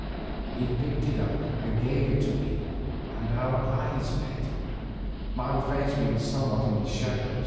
He picked it up and gave it to me and our eyes met, my face being somewhat in the shadow.